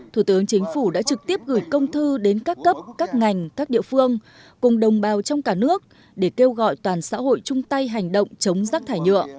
thủ tướng chính phủ đã trực tiếp gửi công thư đến các cấp các ngành các địa phương cùng đồng bào trong cả nước để kêu gọi toàn xã hội chung tay hành động chống rác thải nhựa